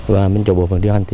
và minh chủ bộ phần điều hành